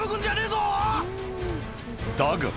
だが。